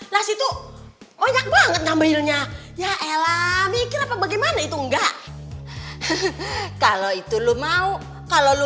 nasi tuh banyak banget namanya ya ella mikir apa bagaimana itu enggak kalau itu lu mau kalau lu